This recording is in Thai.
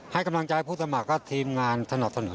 ให้กำลังใจผู้สมัครและทีมงานสนับสนุน